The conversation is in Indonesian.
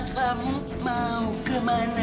kamu mau kemana